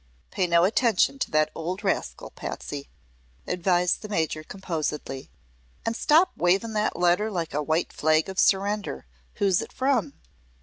"Pay no attention to the ould rascal, Patsy," advised the Major, composedly. "An' stop wavin' that letter like a white flag of surrender. Who's it from?"